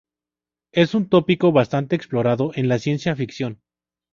Es un tópico bastante explorado en la ciencia ficción.